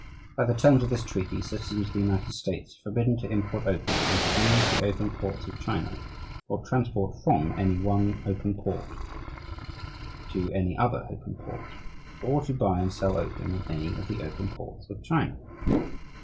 By the terms of this treaty, citizens of the United States are forbidden to "import opium into any of the open ports of China, or transport from one open port to any other open port, or to buy and sell opium in any of the open ports of China.